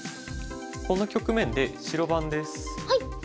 この局面で白番です。